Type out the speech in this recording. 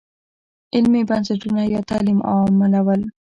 علمي بنسټونه یا تعلیم عامول.